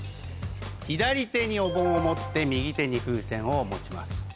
左手にお盆を持って右手に風船を持ちます。